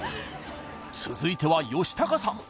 続いては吉高さん